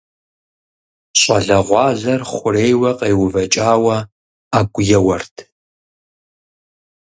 ЩӀалэгъуалэр хъурейуэ къеувэкӀауэ Ӏэгу еуэрт.